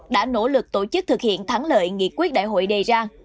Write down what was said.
đã nỗ lực tổ chức thực hiện thắng lợi nghị quyết đại hội đề ra